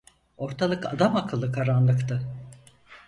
Ortalık adamakıllı karanlıktı.